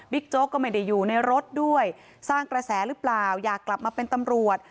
โจ๊กก็ไม่ได้อยู่ในรถด้วยสร้างกระแสหรือเปล่าอยากกลับมาเป็นตำรวจ